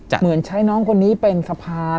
เหมือนใช้น้องคนนี้เป็นสะพาน